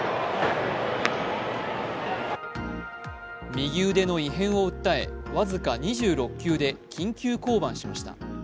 右腕の異変を訴えわずか２６球で緊急降板しました。